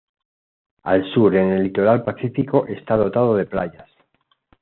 Al sur en el litoral Pacífico está dotado de playas.